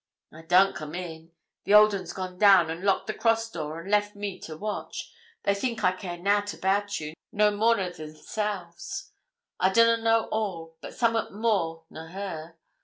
'I darn't come in. The old un's gone down, and locked the cross door, and left me to watch. They think I care nout about ye, no more nor themselves. I donna know all, but summat more nor her.